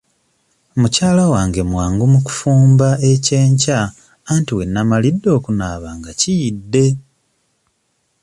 Mukyala wange mwangu mu kufumba ekyenkya anti we nnamalidde okunaaba nga kiyidde.